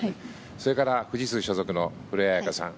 それから富士通所属の古江彩佳さん。